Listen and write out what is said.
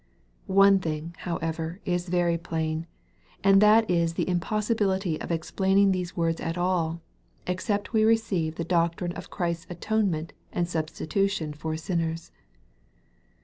One thing, however, is very plain, and that is the im possibility of explaining these words at all, except we . receive the doctrine of Christ's atonement and substitu tion for sinners.